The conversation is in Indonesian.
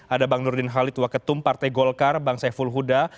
ada bang nurdin halid waketum partai golkar bang saiful huda